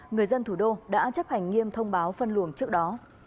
người dân thủ đô đã chấp hành nghiêm thông báo phân luồng trước đó